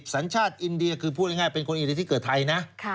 สัญชาติอินเดียคือพูดง่ายเป็นคนอื่นที่เกิดไทยนะ